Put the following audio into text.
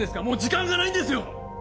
もう時間がないんですよ！